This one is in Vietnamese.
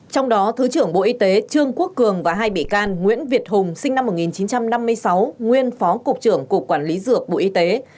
trong đó thứ trưởng bộ y tế trương quốc cường và hai bị can nguyễn việt hùng sinh năm một nghìn chín trăm năm mươi sáu nguyên phó cục trưởng cục quản lý dược bộ y tế